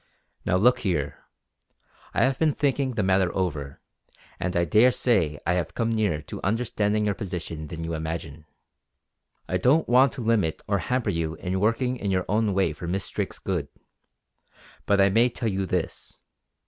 Now look here, I have been thinking the matter over, and I daresay I have come nearer to understanding your position than you imagine. I don't want to limit or hamper you in working in your own way for Miss Drake's good; but I may tell you this.